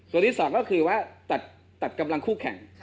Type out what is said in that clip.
ตัวที่๒ก็คือว่าตัดกำลังคู่แข่ง